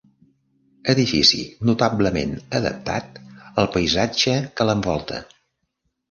Edifici notablement adaptat al paisatge que l'envolta.